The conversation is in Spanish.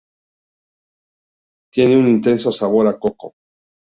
Tiene un intenso sabor a coco.